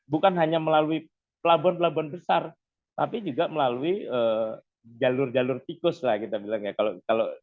bukan hanya melalui pelabuhan pelabuhan besar tapi juga melalui jalur jalur tikus lagi kalau kalau